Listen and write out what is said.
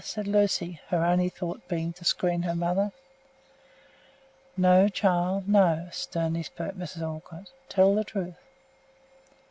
said Lucy, her only thought to screen her mother. "No, child, no!" sternly spoke Mrs. Olcott. "Tell the truth!"